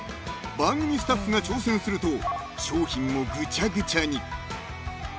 ［番組スタッフが挑戦すると商品もぐちゃぐちゃに］